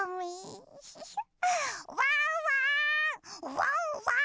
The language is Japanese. ワンワーン！